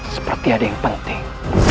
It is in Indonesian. seperti ada yang penting